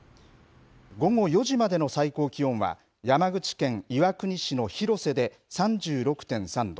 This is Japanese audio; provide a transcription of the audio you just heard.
午後４時までの最高気温は山口県岩国市の広瀬で３６．３度。